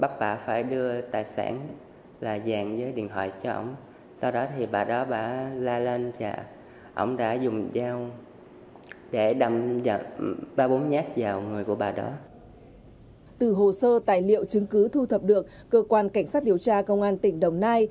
từ hồ sơ tài liệu chứng cứ thu thập được cơ quan cảnh sát điều tra công an tỉnh đồng nai